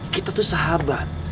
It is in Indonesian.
kita tuh sahabat